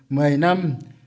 mười năm hai nghìn hai mươi một